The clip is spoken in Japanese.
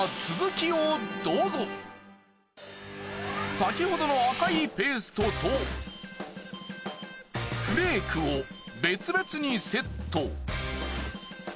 先ほどの赤いペーストとフレークを別々にセット。